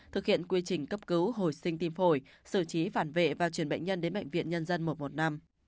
thực hiện quy trình cấp cứu hồi sinh tiêm hồi sử trí phản vệ và truyền bệnh nhân đến bệnh viện nhân dân một trăm một mươi năm